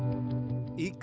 jangan lupa jangan lupa